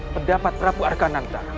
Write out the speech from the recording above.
pendapat prabu argananta